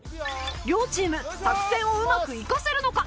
両チーム作戦をうまく生かせるのか？